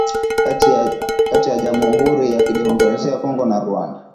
kati ya Jamuhuri ya Kidemokrasia ya Kongo na Rwanda